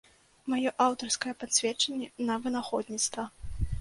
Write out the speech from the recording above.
Мае аўтарскае пасведчанне на вынаходніцтва.